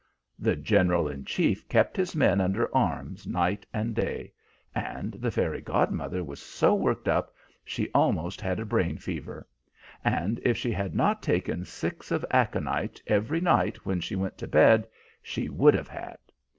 The General in Chief kept his men under arms night and day, and the fairy godmother was so worked up she almost had a brain fever; and if she had not taken six of aconite every night when she went to bed she would have had.